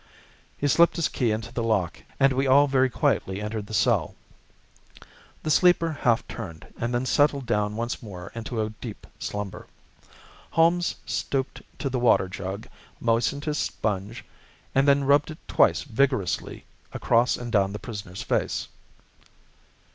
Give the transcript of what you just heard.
He slipped his key into the lock, and we all very quietly entered the cell. The sleeper half turned, and then settled down once more into a deep slumber. Holmes stooped to the water jug, moistened his sponge, and then rubbed it twice vigorously across and down the prisoner's face.